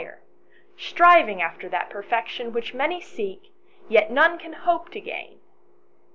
[STORY striving after that perfection which many seek yet none can hope to gain.